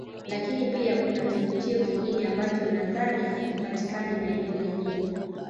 Lakini pia kuna kivutio kingine ambacho nadhani hakipatikani maeneo mengine